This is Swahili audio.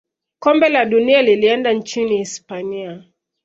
kombe la dunia lilienda nchini hispania